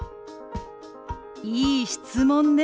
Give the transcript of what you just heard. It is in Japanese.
いい質問ね。